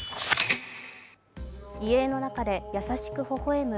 遺影の中で優しくほほ笑む